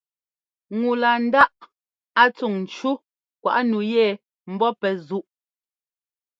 Ŋu laa ńdáꞌ a tsuŋ ńcú kwaꞌ nu yɛ ḿbɔ́ pɛ́ zúꞌ.